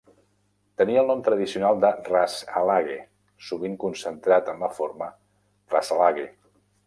Tenia el nom tradicional de "Ras Alhague", sovint concentrat en la forma "Rasalhague".